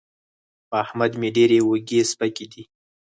په احمد مې ډېرې اوږې سپکې دي.